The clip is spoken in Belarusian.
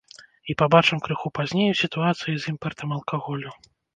І пабачым крыху пазней у сітуацыі з імпартам алкаголю.